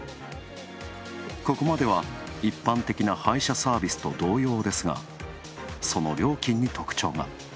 ここまでは一般的な配車サービスと同様ですが、その料金に特徴が。